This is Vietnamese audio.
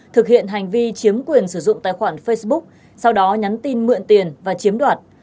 thực hiện hành vi chiếm quyền sử dụng tài khoản facebook sau đó nhắn tin mượn tiền và chiếm đoạt